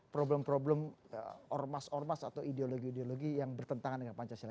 problem problem ormas ormas atau ideologi ideologi yang bertentangan dengan pancasila